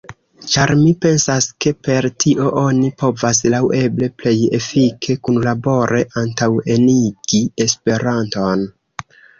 Ĉar mi pensas ke per tio oni povas laŭeble plej efike kunlabore antaŭenigi esperanton.